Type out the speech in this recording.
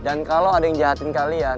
dan kalau ada yang jahatin kalian